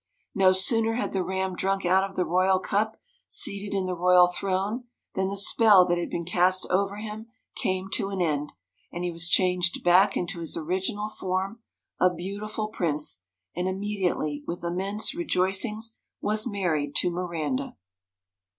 No sooner had the Ram drunk out of the royal cup, seated in the royal throne, than the spell that had been cast over him came to an end, and he was changed back into his original form, a beautiful prince, and immediately, with immense rejoicings, was married to Miranda.